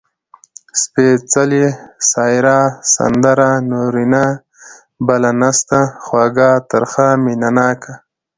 سپېڅلې ، سايره ، سندره، نورينه . بله نسته، خوږَه، ترخه . مينه ناکه